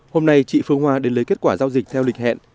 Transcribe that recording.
hôm nay chị phương hoa đến lấy kết quả giao dịch theo lịch hẹn